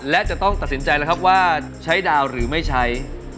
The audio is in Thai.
และจะต้องตัดสินใจแล้วครับว่าใช้ดาวหรือไม่ใช้